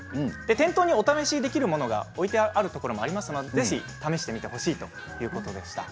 店頭にお試しできるものが置いてあるところもありますのでぜひ試してみてほしいということでした。